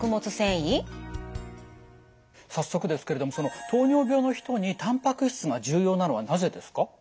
早速ですけれどもその糖尿病の人にたんぱく質が重要なのはなぜですか？